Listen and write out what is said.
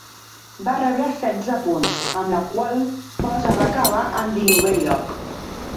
Va rebre setze punts, amb la qual cosa va acabar en dinovè lloc.